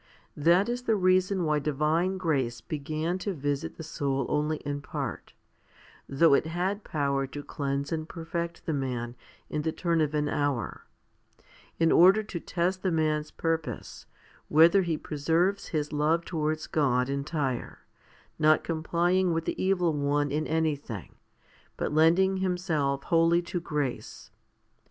That is the reason why divine grace began to visit 1 Ecclus. xlii. 1 8. 265 266 FIFTY SPIRITUAL HOMILIES the soul only in part, though it had power to cleanse and perfect the man in the turn of an hour, in order to test the man's purpose, whether he preserves his love towards God entire, not complying with the evil one in anything, but lending himself wholly to grace.